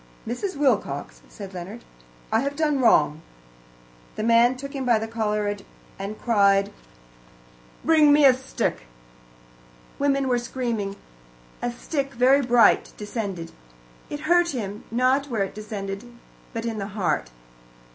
"Mrs. Wilcox," said Leonard, "I have done wrong." The man took him by the collar and cried, "Bring me a stick." Women were screaming. A stick, very bright, descended. It hurt him, not where it descended, but in the heart.